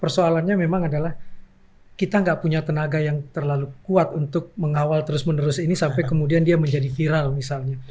persoalannya memang adalah kita nggak punya tenaga yang terlalu kuat untuk mengawal terus menerus ini sampai kemudian dia menjadi viral misalnya